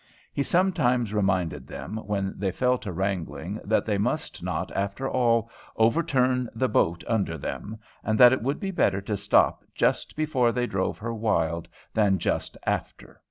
He sometimes reminded them, when they fell to wrangling, that they must not, after all, overturn the boat under them, and that it would be better to stop just before they drove her wild than just after.